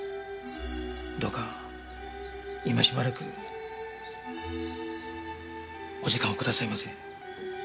どうか今しばらくお時間をくださいませ。